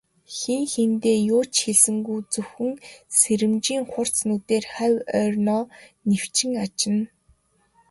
Хэн хэндээ юу ч хэлсэнгүй, зөвхөн сэрэмжийн хурц нүдээр хавь ойроо нэвчин ажна.